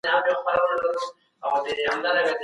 د لويې جرګي مشر به د رايې په واسطه وټاکل سي.